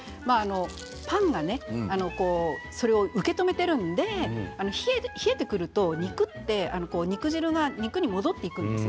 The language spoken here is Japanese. パンはそれを受け止めているので冷えてくると、肉は肉汁が肉に戻っていくんです。